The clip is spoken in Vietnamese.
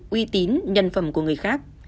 uy tín nhân phẩm của người khác